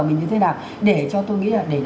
mình như thế nào để cho tôi nghĩ là để